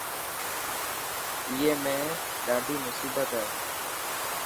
اي ۾ ڏاڏي ماصوميت هي.